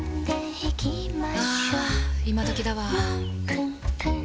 あ今どきだわ。